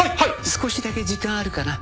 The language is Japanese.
少しだけ時間あるかな？